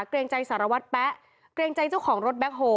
เกรงใจสารวัตรแป๊ะเกรงใจเจ้าของรถแบ็คโฮ